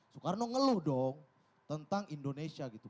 soekarno ngeluh dong tentang indonesia gitu